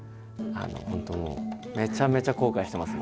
本当もうめちゃめちゃ後悔してます。